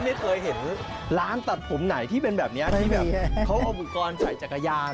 ไม่เคยเห็นร้านตัดผมไหนที่เป็นแบบนี้ที่แบบเขาเอาอุปกรณ์ใส่จักรยาน